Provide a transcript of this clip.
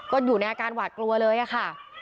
ก็อยู่ในอาการหวาดกลัวเลยอะค่ะ